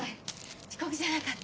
遅刻じゃなかった。